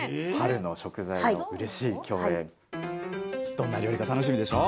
どんな料理か楽しみでしょ！